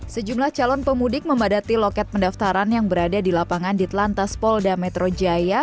sejumlah calon pemudik memadati loket pendaftaran yang berada di lapangan di telantas polda metro jaya